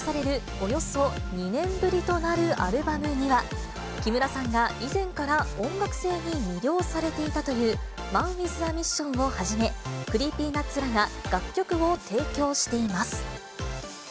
およそ２年ぶりとなるアルバムが、木村さんが以前から音楽性に魅了されていたというマン・ウィズ・ア・ミッションをはじめ、クリーピーナッツらが楽曲を提供しています。